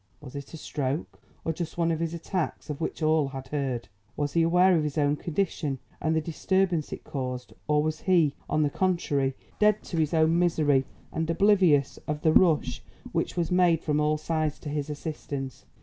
Was it a stroke, or just one of his attacks of which all had heard? Was he aware of his own condition and the disturbance it caused or was he, on the contrary, dead to his own misery and oblivious of the rush which was made from all sides to his assistance?